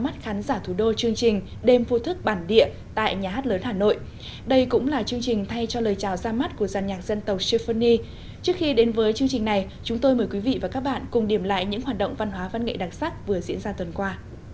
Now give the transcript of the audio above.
trước khi đến với chương trình này chúng tôi mời quý vị và các bạn cùng điểm lại những hoạt động văn hóa văn nghệ đặc sắc vừa diễn ra tuần qua